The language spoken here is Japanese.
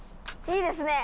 いいですね！